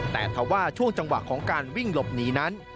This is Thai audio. แต่ถ้าว่าช่วงจังหวะของการวิ่งหลบหนีนั้น